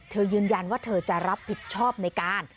ยืนยันว่าเธอจะรับผิดชอบในการ